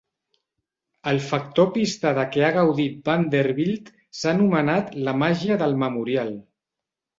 El factor pista de què ha gaudit Vanderbilt s'ha anomenat "la màgia del Memorial".